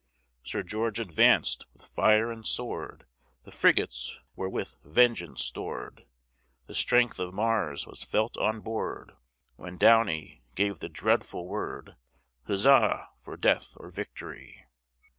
Sir George advanced, with fire and sword, The frigates were with vengeance stored, The strength of Mars was felt on board, When Downie gave the dreadful word, Huzza! for death or victory!